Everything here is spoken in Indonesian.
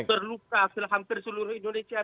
terluka hampir seluruh indonesia